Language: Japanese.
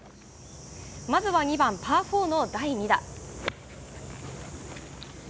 まずは２番パー４の第２打。